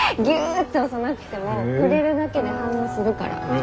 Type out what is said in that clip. ッて押さなくても触れるだけで反応するから。